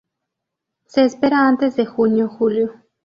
Se espera antes de junio-julio.